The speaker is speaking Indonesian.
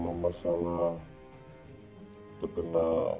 kalau masalah terkena